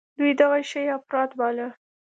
دوى دغه شى اپرات باله.